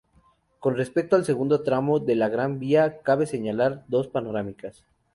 Con respecto al segundo tramo de la Gran Vía, cabe señalar dos panorámicas.